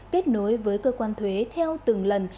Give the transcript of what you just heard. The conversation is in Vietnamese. kết nối với cơ quan thuế theo từng lần